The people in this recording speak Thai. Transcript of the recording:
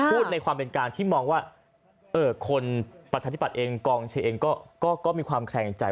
พูดในความเป็นกลางที่มองว่าคนประชาธิปัตย์เองกองเชียร์เองก็มีความแคลงใจ